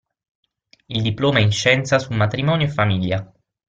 Il diploma in scienza su Matrimonio e Famiglia.